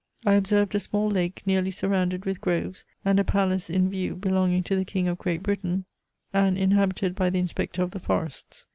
I observed a small lake nearly surrounded with groves, and a palace in view belonging to the King of Great Britain, and inhabited by the Inspector of the Forests.